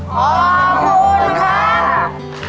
ขอบคุณค่ะ